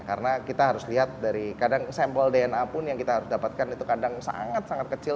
karena kita harus lihat dari kadang sampel dna pun yang kita dapatkan itu kadang sangat sangat kecil